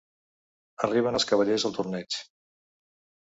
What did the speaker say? Arriben els cavallers al torneig.